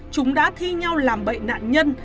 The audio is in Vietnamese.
chúng đã thi nhau làm bậy nạn nhân